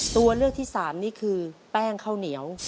ตัวเลือกที่สามนี่คือแป้งข้าวเหนียว